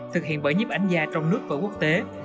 thực hiện bởi nhiếp ảnh gia trong nước và quốc tế